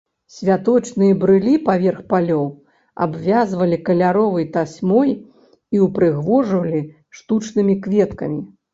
Святочныя брылі паверх палёў абвязвалі каляровай тасьмой і ўпрыгожвалі штучнымі кветкамі.